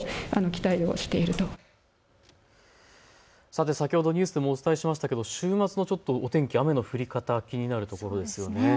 さて先ほどニュースでもお伝えしましたけど週末のお天気、雨の降り方、気になるところですよね。